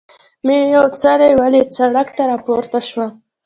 مې یو څلی ولید، سړک ته را پورته شوم.